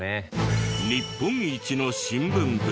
日本一の新聞部。